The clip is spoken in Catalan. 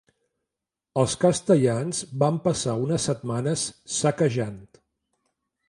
Els castellans van passar unes setmanes saquejant.